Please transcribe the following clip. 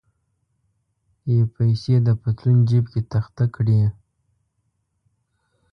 یې پیسې د پتلون جیب کې تخته کړې.